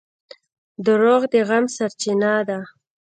• دروغ د غم سرچینه ده.